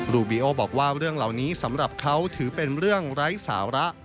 ูบิโอบอกว่าเรื่องเหล่านี้สำหรับเขาถือเป็นเรื่องไร้สาระ